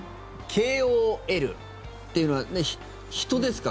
ＫＯＬっていうのは人ですか？